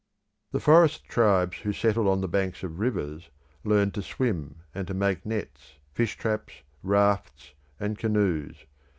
The forest tribes who settled on the banks of rivers learnt to swim and to make nets, fish traps, rafts, and canoes.